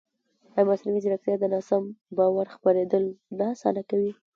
ایا مصنوعي ځیرکتیا د ناسم باور خپرېدل نه اسانه کوي؟